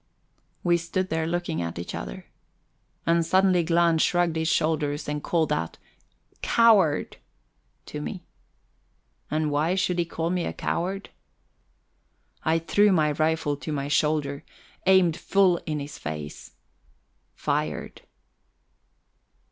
We stood there looking at each other. And suddenly Glahn shrugged his shoulders and called out "Coward" to me. And why should he call me a coward? I threw my rifle to my shoulder aimed full in his face fired.